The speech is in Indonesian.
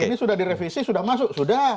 ini sudah direvisi sudah masuk sudah